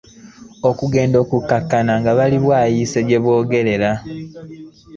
Okugenda okukkakkana nga bali Bwayise gye boogerera.